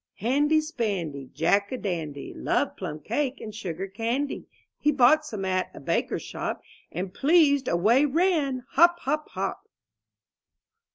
LJ ANDY SPANDY, Jack a dandy, Loved plum cake and sugar candy. He bought some at a baker's shop, And pleased, away ran, hop, hop, hop.